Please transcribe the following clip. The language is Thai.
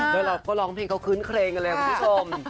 โดยเหล่าก็ร้องเพลงเขาคื้นเครงกันเลยครับคุณผู้ชม